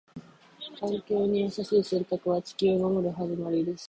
環境に優しい選択は、地球を守る始まりです。